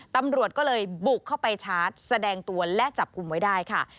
ตำรวจก็เลยบุกเข้าไปชาร์จแสดงตัวและจับกลุ่มไว้ได้ค่ะ